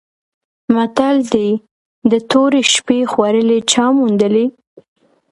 متل دی: د تورې شپې خوړلي چا موندلي؟